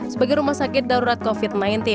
sebagai rumah sakit darurat covid sembilan belas